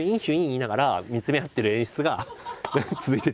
言いながら見つめ合ってる演出が続いてて。